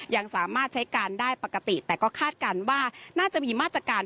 ยังสามารถใช้การได้ปกติแต่ก็คาดการณ์ว่าน่าจะมีมาตรการ